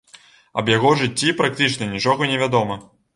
Аб яго жыцці практычна нічога невядома.